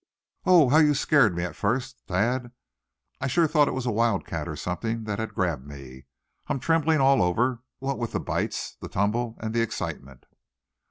"Oh! how you scared me at first, Thad; I sure thought it was a wildcat, or something, that had grabbed me. I'm trembling all over, what with the bites, the tumble, and the excitement."